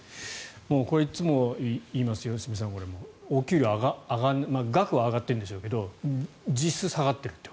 もうこれはいつも言いますが良純さんお給料額は上がってるんでしょうけど実質下がっていると。